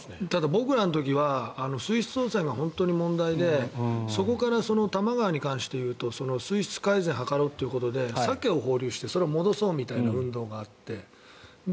僕らの時は水質汚染が本当に問題でそこから多摩川に関していうと水質改善を図ろうということでサケを放流してそれを戻そうみたいな運動があって。